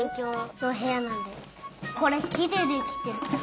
これきでできてる。